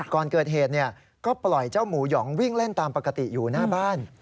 ก่อนเกิดเหตุก็ปล่อยเจ้าหมูหยองวิ่งเล่นตามปกติอยู่หน้าบ้าน